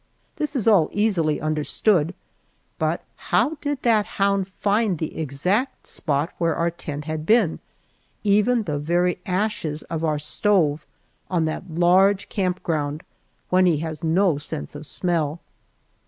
This is all easily understood, but how did that hound find the exact spot where our tent had been, even the very ashes of our stove, on that large camp ground when he has no sense of smell?